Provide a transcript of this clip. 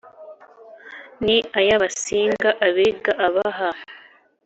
Ni ay abasinga abega abaha